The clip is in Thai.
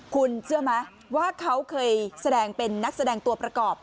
คุณเชื่อไหมว่าเขาเคยแสดงเป็นนักแสดงตัวประกอบ